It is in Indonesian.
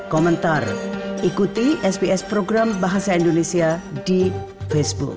komentar ikuti sps program bahasa indonesia di facebook